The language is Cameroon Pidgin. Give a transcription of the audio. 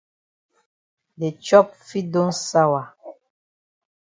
De chop fit don sawa.